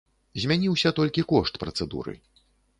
Змяніўся толькі кошт працэдуры.